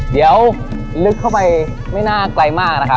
เดี๋ยวลึกเข้าไปไม่น่าไกลมากนะครับ